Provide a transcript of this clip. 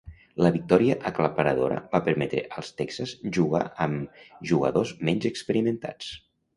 La victòria aclaparadora va permetre als Texas jugar amb jugadors menys experimentats.